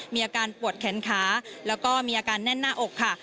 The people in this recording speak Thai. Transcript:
มีอาการปวดแขนขาแล้วก็มีอาการแน่นหน้าอกค่ะ